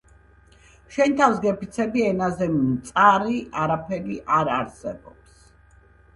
შენ თავს გეფიცები ენაზე მწარი არაფერი არ არსებობს